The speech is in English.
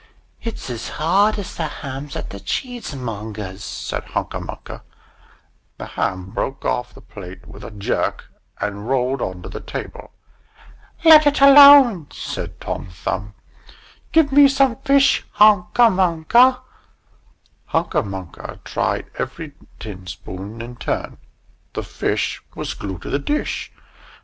"It's as hard as the hams at the cheesemonger's," said Hunca Munca. The ham broke off the plate with a jerk, and rolled under the table. "Let it alone," said Tom Thumb; "give me some fish, Hunca Munca!" Hunca Munca tried every tin spoon in turn; the fish was glued to the dish.